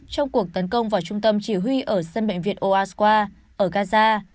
trong cuộc tấn công vào trung tâm chỉ huy ở sân bệnh viện oaswa ở gaza